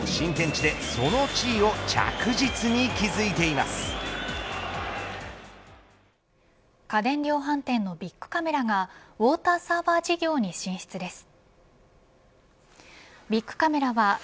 家電量販店のビックカメラがウォーターサーバー事業に進出です。